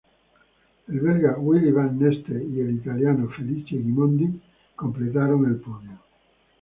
El belga Willy Van Neste y el italiano Felice Gimondi completaron el podio.